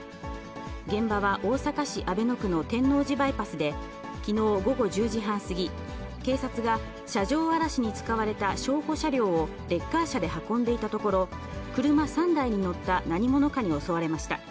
現場は大阪市阿倍野区の天王寺バイパスで、きのう午後１０時半過ぎ、警察が車上荒らしに使われた証拠車両をレッカー車で運んでいたところ、車３台に乗った何者かに襲われました。